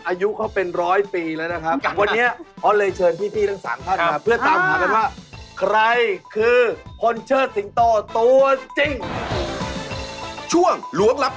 อายุเขาเป็นร้อยปีแล้วนะครับ